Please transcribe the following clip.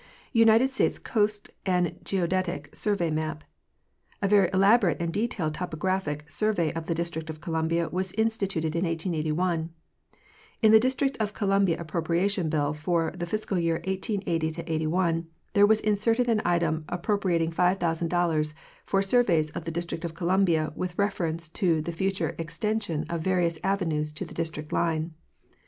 United States Coast and Geodetic Survey Map.—A very elaborate and detailed topographic survey of the District of Columbia was instituted in 1881. In the District of Columbia appropriation bill for the fiscal year 1880 '81 there was inserted an item appro priating $5,000 "for surveys of the District of Columbia, with reference to the future extension of various avenues to the Dis trict line."